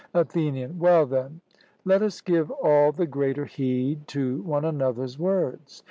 ATHENIAN: Well, then, let us give all the greater heed to one another's words.